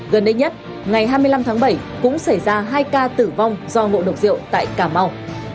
gần đây nhất ngày hai mươi năm tháng bảy cũng xảy ra hai ca tử vong do ngộ độc rượu tại cà mau